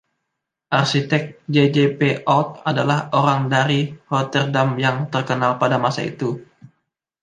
Arsitek J. J. P. Oud adalah orang dari Rotterdam yang terkenal pada masa itu.